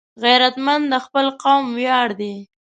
غیرتمند د خپل قوم ویاړ دی